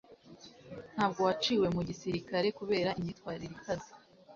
ntabwo waciwe mu gisirikare kubera imyitwarire ikaze